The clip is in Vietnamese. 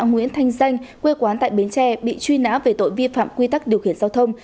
nguyễn thanh danh quê quán tại bến tre bị truy nã về tội vi phạm quy tắc điều khiển giao thông